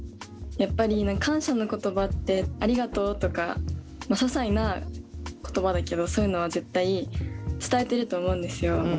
やっぱり感謝の言葉ってありがとうとかささいな言葉だけどそういうのは絶対伝えてると思うんですよ。